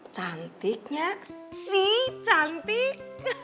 cantiknya sih cantik